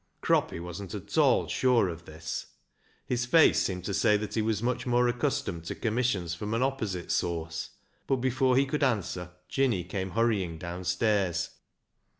Croppy wasn't at all sure of this. His face seemed to say that he was much more ac customed to commissions from an opposite source, but before he could answer Jinny came hurrying downstairs.